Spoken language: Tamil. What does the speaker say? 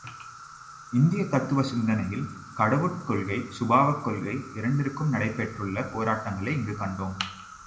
இந்தியத் தத்துவ சிந்தனையில் கடவுட் கொள்கை சுபாவக் கொள்கை இரண்டிற்கும் நடைபெற்றுள்ள போராட்டங்களை இங்கு காண்டோம்.